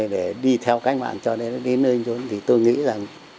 để đi theo cách mạng cho đến nơi chúng tôi nghĩ rằng